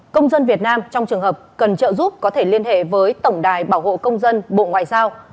công dân việt nam trong trường hợp cần trợ giúp có thể liên hệ với tổng đài bảo hộ công dân bộ ngoại giao